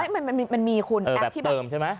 มันมีคุณแอปที่เติมใช่ไหม